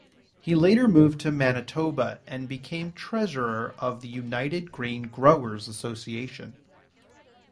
He later moved to Manitoba, and became treasurer of the United Grain Growers association.